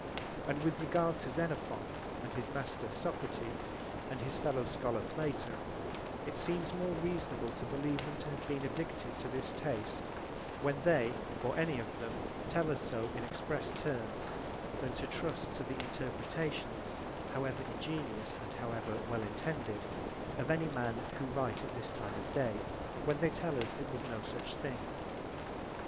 And with regard to Xenophon and his master, Socrates, and his fellow scholar Plato, it seems more reasonable to believe them to have been addicted to this taste when they or any of them tell us so in express terms than to trust to the interpretations, however ingenious and however well intended, of any men who write at this time of day, when they tell us it was no such thing.